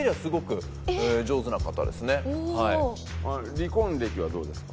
離婚歴はどうですか？